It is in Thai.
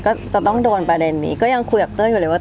ก็จะต้องโดนประเด็นนี้ก็ยังคุยกับเต้ยอยู่เลยว่า